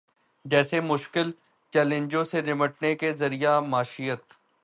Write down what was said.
جیسے مشکل چیلنجوں سے نمٹنے کے ذریعہ معیشت